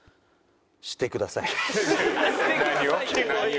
「してください」って。